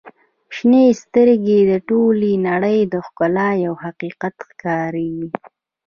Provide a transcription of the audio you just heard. • شنې سترګې د ټولې نړۍ د ښکلا یوه حقیقت ښکاري.